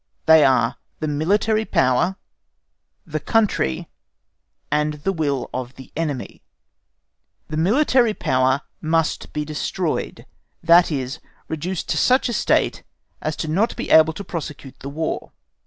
They are the military power, the country, and the will of the enemy. The military power must be destroyed, that is, reduced to such a state as not to be able to prosecute the War.